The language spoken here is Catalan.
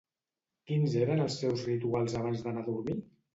Quins eren els seus rituals abans d'anar a dormir?